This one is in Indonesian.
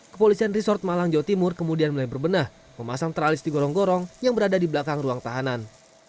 kepolisian resort malang jawa timur kemudian mulai berbenah memasang teralis di gorong gorong yang berada di belakang ruang tahanan